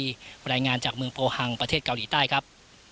รายงานจากเมืองโปฮังประเทศเกาหลีใต้ครับ